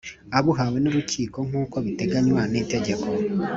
Abuhawe N Urukiko Nk Uko Bitenganywa N Itegeko